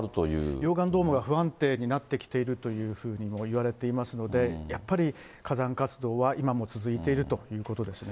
溶岩ドームが不安定になってきているというふうにもいわれていますので、やっぱり火山活動は、今も続いているということですね。